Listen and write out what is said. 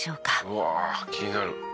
「うわ気になる」